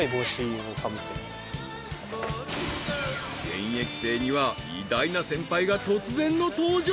［現役生には偉大な先輩が突然の登場］